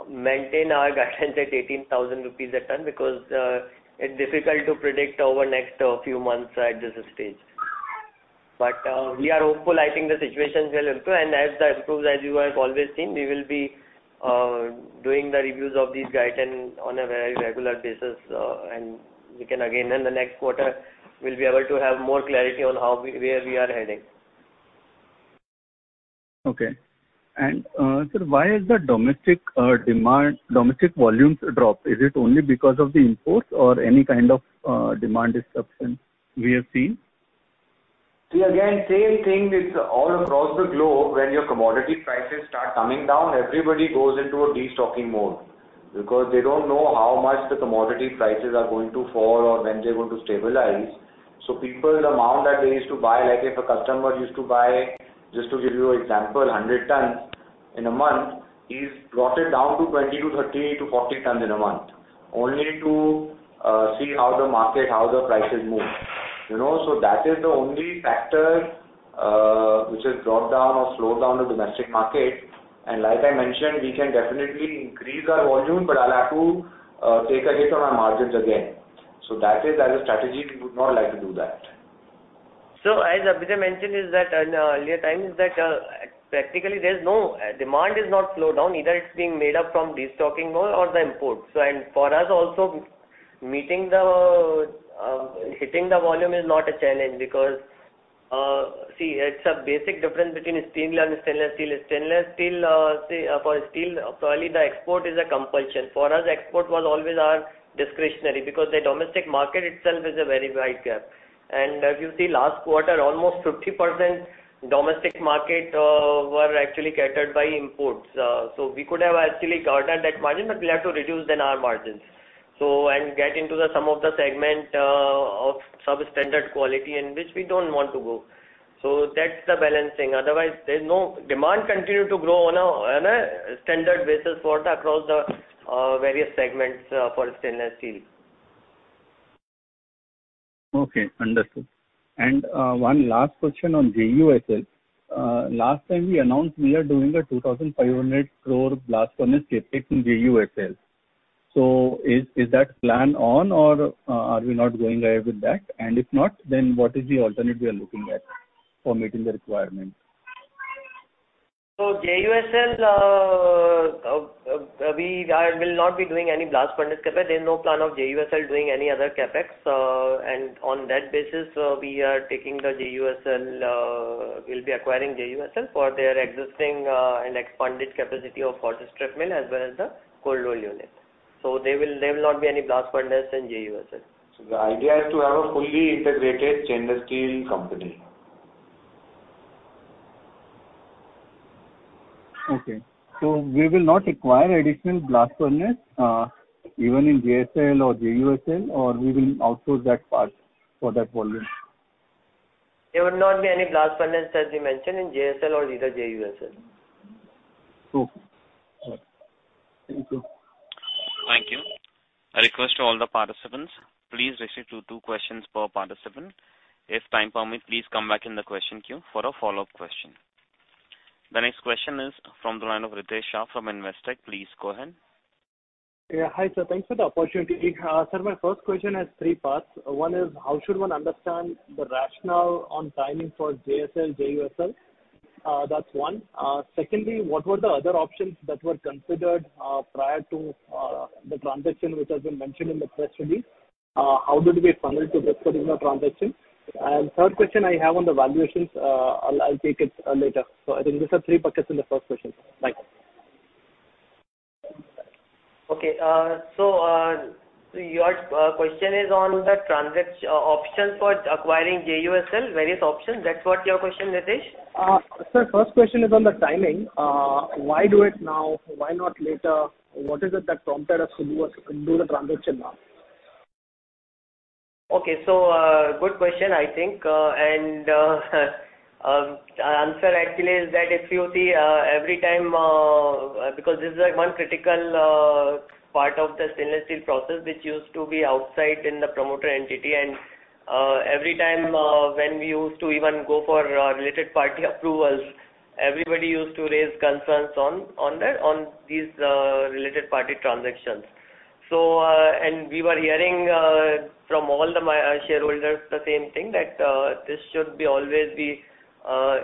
maintain our guidance at 18,000 rupees a ton because it's difficult to predict over next few months at this stage. We are hopeful I think the situation will improve. As that improves, as you have always seen, we will be doing the reviews of these guidance on a very regular basis. We can again in the next quarter, we'll be able to have more clarity on where we are heading. Okay. Sir, why is the domestic demand, domestic volumes drop? Is it only because of the imports or any kind of demand disruption we have seen? See, again, same thing with all across the globe. When your commodity prices start coming down, everybody goes into a destocking mode because they don't know how much the commodity prices are going to fall or when they're going to stabilize. People, the amount that they used to buy, like if a customer used to buy, just to give you an example, 100 ton in a month, he's brought it down to 20 ton to 30 ton to 40 ton in a month only to see how the market, how the prices move. You know, that is the only factor which has brought down or slowed down the domestic market. Like I mentioned, we can definitely increase our volume, but I'll have to take a hit on our margins again. That is, as a strategy, we would not like to do that. As Abhyuday mentioned, that in earlier times, practically, the demand has not slowed down. Either it's being made up from destocking mode or the imports. For us also, hitting the volume is not a challenge because, see, it's a basic difference between steel and stainless steel. Stainless steel, say for steel, probably the export is a compulsion. For us, export was always our discretionary because the domestic market itself is a very wide gap. If you see last quarter, almost 50% domestic market were actually catered by imports. We could have actually garnered that margin, but we'll have to reduce our margins. Get into some of the segments of sub-standard quality in which we don't want to go. That's the balancing. Otherwise, demand continues to grow on a standard basis across the various segments for stainless steel. Okay, understood. One last question on JUSL. Last time we announced we are doing 2,500 crore blast furnace CapEx in JUSL. Is that plan on or are we not going ahead with that? If not, then what is the alternate we are looking at for meeting the requirement? JUSL will not be doing any blast furnace CapEx. There's no plan of JUSL doing any other CapEx. On that basis, we are taking the JUSL. We'll be acquiring JUSL for their existing and expanded capacity of hot strip mill as well as the cold roll mill. There will not be any blast furnace in JUSL. The idea is to have a fully integrated stainless steel company. Okay. So we will not acquire additional blast furnace even in JSL or JUSL, or we will outsource that part for that volume? There will not be any blast furnace as you mentioned in JSL or either JUSL. Cool. Thank you. Thank you. A request to all the participants. Please restrict to two questions per participant. If time permit, please come back in the question queue for a follow-up question. The next question is from the line of Ritesh Shah from Investec. Please go ahead. Yeah. Hi, sir. Thanks for the opportunity. Sir, my first question has three parts. One is, how should one understand the rationale on timing for JSL, JUSL? That's one. Secondly, what were the other options that were considered prior to the transaction which has been mentioned in the press release? How did we funnel to this particular transaction? And third question I have on the valuations, I'll take it later. I think these are three buckets in the first question. Thanks. Your question is on the transaction option for acquiring JUSL, various options. That's what your question, Ritesh? Sir, first question is on the timing. Why do it now? Why not later? What is it that prompted us to do the transaction now? Okay. Good question, I think. Answer actually is that if you see, every time, because this is like one critical part of the stainless steel process which used to be outside in the promoter entity. Every time, when we used to even go for related party approvals, everybody used to raise concerns on that, on these related party transactions. We were hearing from all my shareholders the same thing that this should always be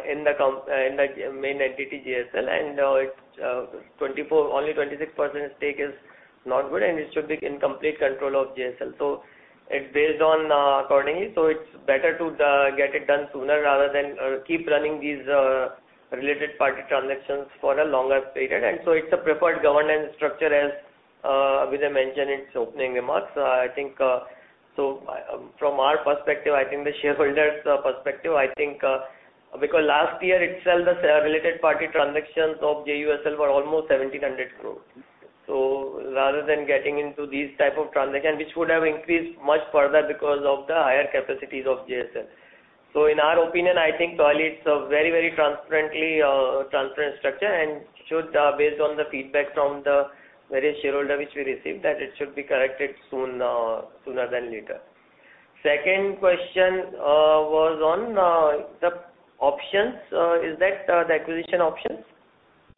in the main entity, JSL, and it's only 26% stake is not good, and it should be in complete control of JSL. It's based on accordingly. It's better to get it done sooner rather than keep running these related party transactions for a longer period. It's a preferred governance structure as Abhyuday mentioned in his opening remarks. I think from our perspective, I think the shareholders' perspective, I think, because last year itself, the related party transactions of JUSL were almost 1,700 crore. Rather than getting into these type of transactions, which would have increased much further because of the higher capacities of JSL. In our opinion, I think probably it's a very transparent structure, and should, based on the feedback from the various shareholder which we received, that it should be corrected sooner than later. Second question was on the options. Is that the acquisition options?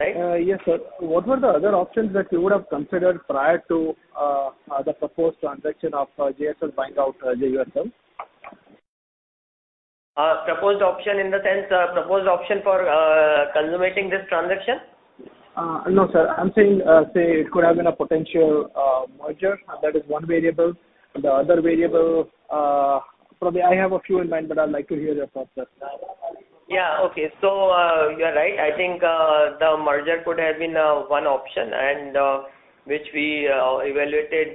Right? Yes, sir. What were the other options that you would have considered prior to the proposed transaction of JSL buying out JUSL? Proposed option for consummating this transaction? No, sir. I'm saying, say it could have been a potential merger. That is one variable. The other variable, probably I have a few in mind, but I'd like to hear your thoughts as well. You're right. I think the merger could have been one option and which we evaluated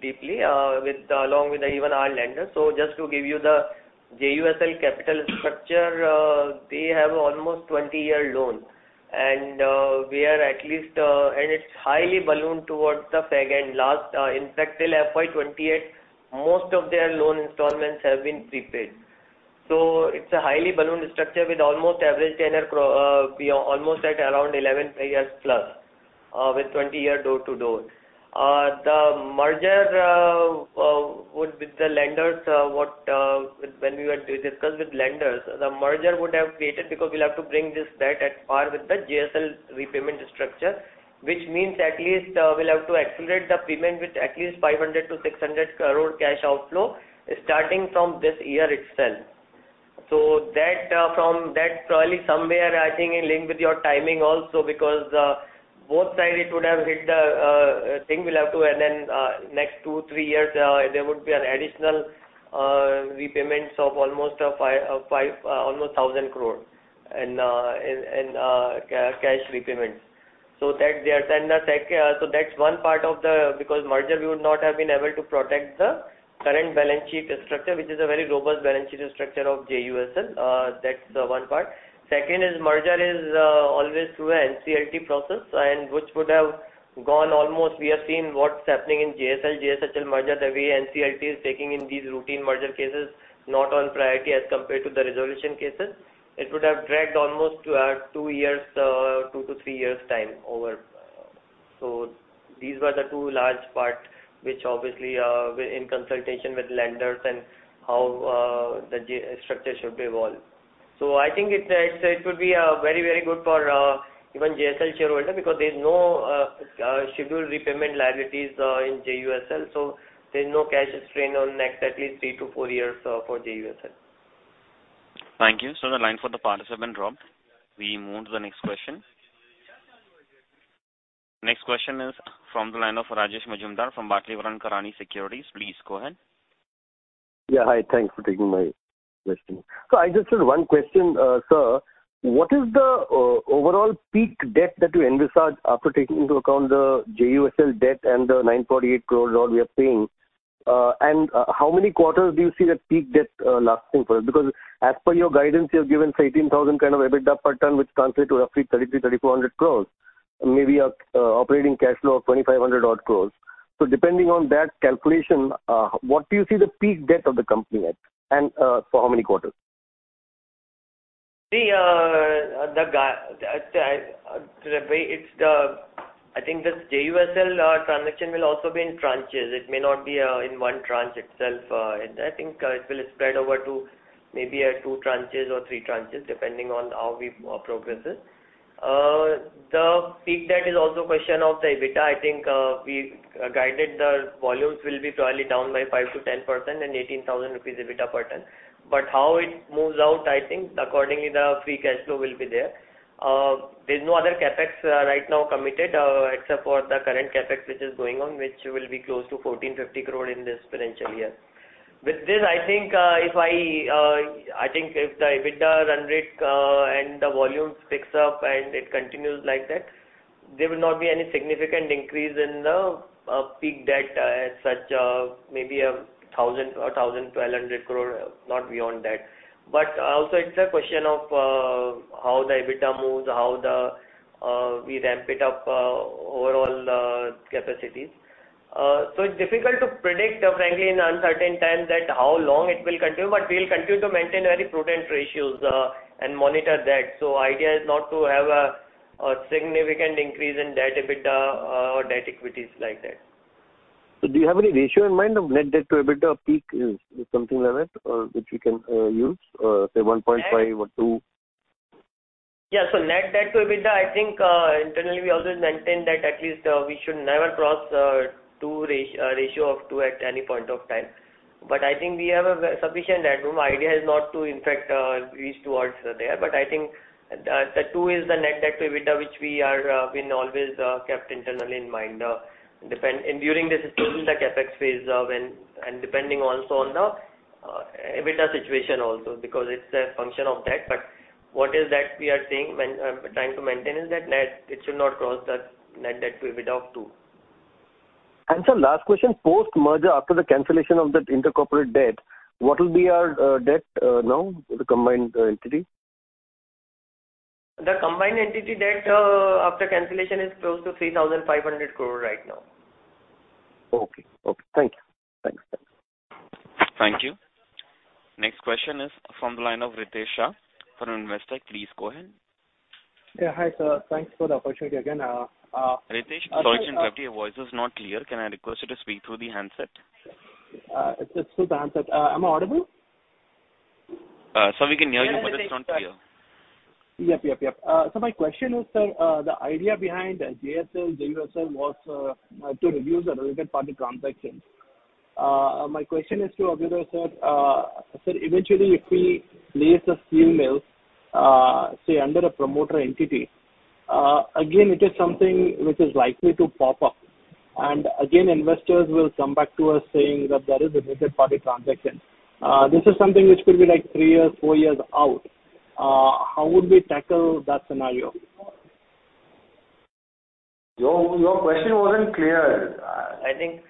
deeply along with even our lenders. Just to give you the JUSL capital structure, they have almost 20-year loan. It's highly ballooned towards the second last. In fact, till FY 2028, most of their loan installments have been prepaid. It's a highly ballooned structure with almost average tenor probably we are almost at around 11+ years with 20-year door-to-door. The merger would have created, with the lenders what with when we were to discuss with lenders, because we'll have to bring this debt at par with the JSL repayment structure. Which means at least we'll have to accelerate the payment with at least 500 crore-600 crore cash outflow starting from this year itself. That from that probably somewhere I think it linked with your timing also because both side it would have hit I think we'll have to. Then next two, three years there would be an additional repayments of almost 500 crore-1,000 crore in cash repayments. So that they are tendered. So that's one part of the. Because merger we would not have been able to protect the current balance sheet structure, which is a very robust balance sheet structure of JUSL. That's the one part. Second is merger is always through NCLT process and which would have gone almost. We have seen what's happening in JSL, JSHL merger. The way NCLT is taking in these routine merger cases, not on priority as compared to the resolution cases. It would have dragged almost two to three years' time over. These were the two large parts which obviously are in consultation with lenders and how the structure should evolve. I think it would be very good for even JSL shareholder because there's no scheduled repayment liabilities in JUSL, so there's no cash strain on next at least three to four years for JUSL. Thank you. The line for the participant dropped. We move to the next question. Next question is from the line of Rajesh Majumdar from Batlivala & Karani Securities. Please go ahead. Yeah. Hi. Thanks for taking my question. I just have one question, sir. What is the overall peak debt that you envisage after taking into account the JUSL debt and the 948 crore loan we are paying? How many quarters do you see that peak debt lasting for? Because as per your guidance, you have given say 18,000 kind of EBITDA per ton, which translate to roughly 3,300 crore-3,400 crore. Maybe a operating cash flow of 2,500 odd crore. Depending on that calculation, what do you see the peak debt of the company at and for how many quarters? See, the guy—I'd say it's the—I think this JUSL transaction will also be in tranches. It may not be in one tranche itself. I think it will spread over to maybe two tranches or three tranches, depending on how we progresses. The peak debt is also a question of the EBITDA. I think we guided the volumes will be probably down by 5%-10% and 18,000 rupees EBITDA per ton. How it moves out, I think accordingly the free cash flow will be there. There's no other CapEx right now committed except for the current CapEx which is going on, which will be close to 1,450 crore in this financial year. With this, I think if the EBITDA run rate and the volumes picks up and it continues like that, there will not be any significant increase in the peak debt as such, maybe 1,000 crore or 1,200 crore, not beyond that. Also it's a question of how the EBITDA moves, how we ramp it up overall capacities. It's difficult to predict frankly in uncertain times that how long it will continue. We'll continue to maintain very prudent ratios and monitor that. Idea is not to have a significant increase in debt EBITDA or debt equities like that. Do you have any ratio in mind of net debt to EBITDA peak is something like that, which we can use, say 1.5 or 2? Yeah. Net debt to EBITDA, I think, internally we always maintain that at least we should never cross a ratio of two at any point of time. I think we have a sufficient headroom. Idea is not to in fact reach towards there. I think the two is the net debt to EBITDA, which we have always kept internally in mind during this total CapEx phase, when and depending also on the EBITDA situation also because it's a function of that. What is that we are saying when trying to maintain is that net it should not cross the net debt to EBITDA of two. Sir, last question. Post-merger, after the cancellation of that intercorporate debt, what will be our debt now with the combined entity? The combined entity debt, after cancellation, is close to 3,500 crore right now. Okay. Thank you. Thanks. Thank you. Next question is from the line of Ritesh Shah from Investec. Please go ahead. Yeah. Hi, sir. Thanks for the opportunity again. Ritesh, sorry to interrupt, your voice is not clear. Can I request you to speak through the handset? It's through the handset. Am I audible? Sir, we can hear you, but it's not clear. Yep. My question is, sir, the idea behind JSL, JUSL was to reduce the related party transactions. My question is to Abhyuday, sir. Eventually, if we place the steel mills, say under a promoter entity, again, it is something which is likely to pop up. Again, investors will come back to us saying that there is a related party transaction. This is something which could be like three years, four years out. How would we tackle that scenario? Your question wasn't clear. I think,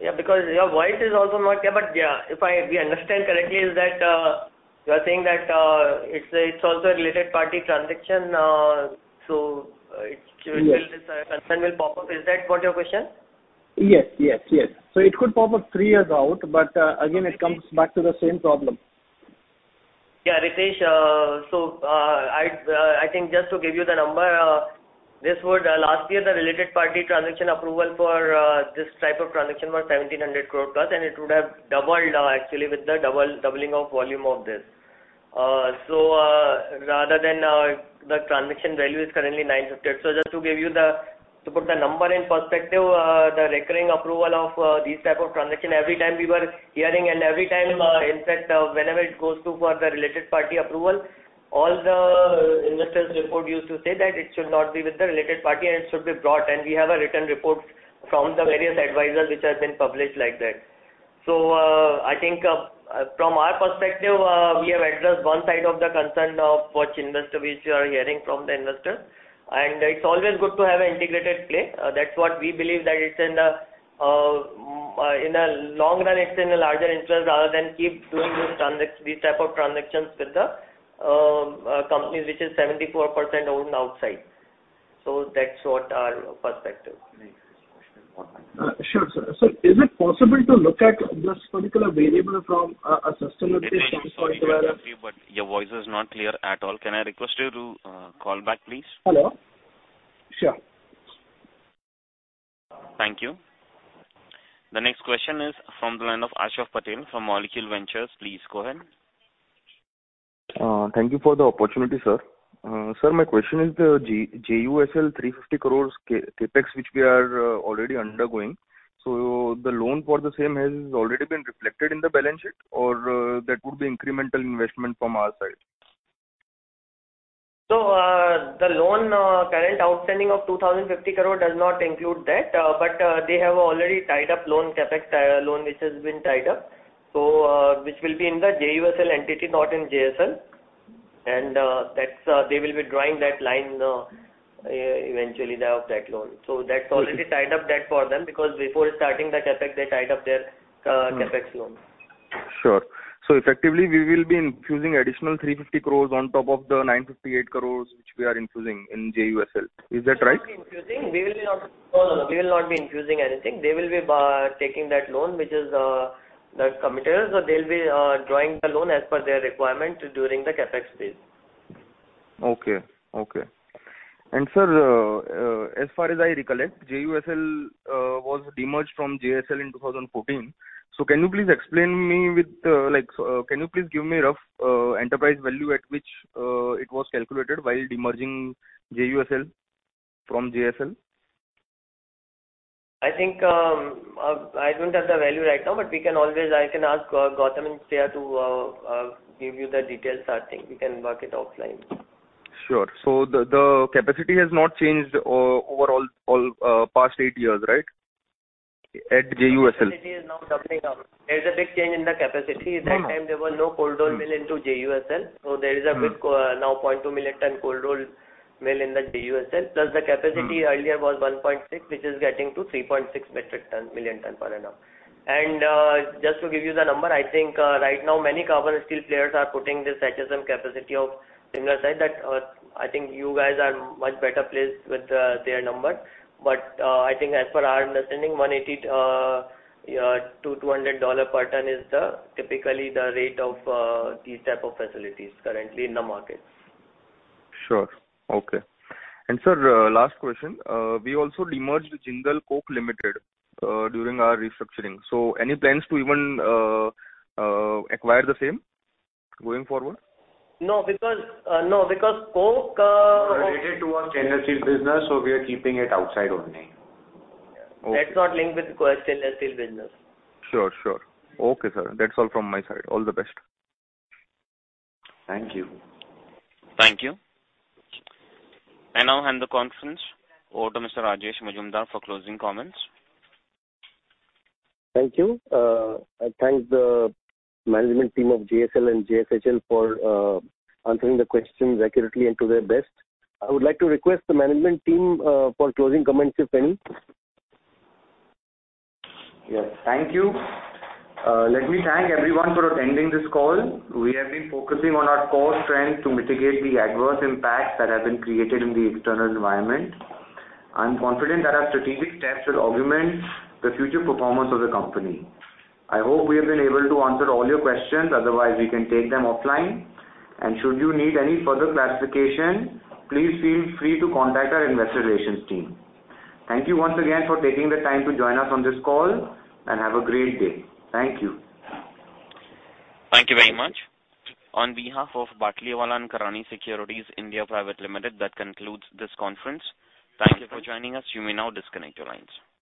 yeah, because your voice is also not clear. Yeah, we understand correctly is that you are saying that it's also a related party transaction. Yes. This concern will pop up. Is that what your question? Yes, yes. It could pop up three years out, but, again, it comes back to the same problem. Yeah. Ritesh, I think just to give you the number. Last year, the related party transaction approval for this type of transaction was 1,700+ crore, and it would have doubled, actually with the doubling of volume of this. Rather than, the transaction value is currently 958. Just to put the number in perspective, the recurring approval of these type of transaction, every time we were hearing, in fact, whenever it goes for the related party approval, all the investors' report used to say that it should not be with the related party and it should be brought. We have a written report from the various advisors which has been published like that. I think from our perspective we have addressed one side of the concern for each investor, which you are hearing from the investor. It's always good to have an integrated play. That's what we believe that it's in a long run, it's in a larger interest rather than keep doing these type of transactions with the companies which is 74% owned outside. That's what our perspective. Sure, sir. Is it possible to look at this particular variable from a sustainability standpoint? Mr., your voice is not clear at all. Can I request you to call back, please? Hello. Sure. Thank you. The next question is from the line of Aashav Patel from Molecule Ventures. Please go ahead. Thank you for the opportunity, sir. Sir, my question is the JUSL INR 350 crore CapEx, which we are already undergoing. The loan for the same has already been reflected in the balance sheet or that would be incremental investment from our side? The loan current outstanding of 2,050 crore does not include that, but they have already tied up loan CapEx loan which has been tied up. Which will be in the JUSL entity, not in JSL. That's they will be drawing that line eventually of that loan. That's already tied up debt for them because before starting the CapEx they tied up their CapEx loan. Sure. Effectively we will be infusing additional 350 crores on top of the 958 crores which we are infusing in JUSL. Is that right? We won't be infusing. No. We will not be infusing anything. They will be taking that loan, which is committed. They'll be drawing the loan as per their requirement during the CapEx phase. Sir, as far as I recollect, JUSL was demerged from JSL in 2014. Can you please give me rough enterprise value at which it was calculated while demerging JUSL from JSL? I think, I don't have the value right now, but I can ask Goutam and Shreya to give you the details, I think. We can work it offline. Sure. The capacity has not changed over the past eight years, right? At JUSL. Capacity is now doubling up. There's a big change in the capacity. No, no. That time there was no cold roll mill in JUSL. Mm-hmm. There is a big, 0.2 million ton cold roll mill in the JUSL. Mm-hmm. The capacity earlier was 1.6 million ton, which is getting to 3.6 million metric tons per annum. Just to give you the number, I think right now many carbon steel players are putting this HSM capacity of similar size that I think you guys are much better placed with their number. I think as per our understanding, $180-$200 per ton is typically the rate of these type of facilities currently in the market. Sure. Okay. Sir, last question. We also demerged Jindal Coke Limited during our restructuring. Any plans to even acquire the same going forward? No, because coke. Related to our stainless steel business, so we are keeping it outside only. Okay. That's not linked with cold stainless steel business. Sure, sure. Okay, sir. That's all from my side. All the best. Thank you. Thank you. I now hand the conference over to Mr. Rajesh Majumdar for closing comments. Thank you. I thank the management team of JSL and JSHL for answering the questions accurately and to their best. I would like to request the management team for closing comments, if any. Yes, thank you. Let me thank everyone for attending this call. We have been focusing on our core strength to mitigate the adverse impact that has been created in the external environment. I'm confident that our strategic steps will augment the future performance of the company. I hope we have been able to answer all your questions, otherwise we can take them offline. Should you need any further clarification, please feel free to contact our investor relations team. Thank you once again for taking the time to join us on this call, and have a great day. Thank you. Thank you very much. On behalf of Batlivala & Karani Securities India Private Limited, that concludes this conference. Thank you for joining us. You may now disconnect your lines.